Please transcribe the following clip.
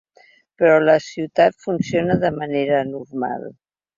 Però la ciutat funciona de manera normal.